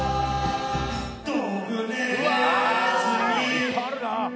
いっぱいあるな。